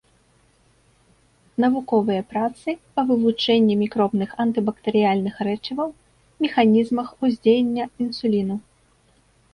Навуковыя працы па вывучэнні мікробных антыбактэрыяльных рэчываў, механізмах уздзеяння інсуліну.